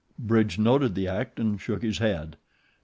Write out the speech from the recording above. Bridge noted the act and shook his head.